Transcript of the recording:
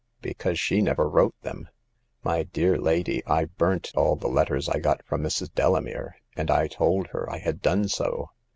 " Because she never wrote them. My dear lady, I burnt all the letters I got from Mrs. Dela mere, and I told her I had done so.